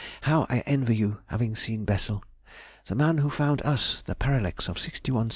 How I envy you having seen Bessel—the man who found us the parallax of 61 Cygni....